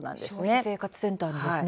消費生活センターですね。